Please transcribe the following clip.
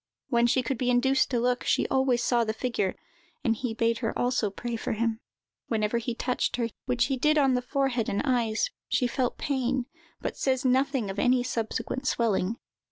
When she could be induced to look, she always saw the figure, and he bade her also pray for him. Whenever he touched her, which he did on the forehead and eyes, she felt pain, but says nothing of any subsequent swelling.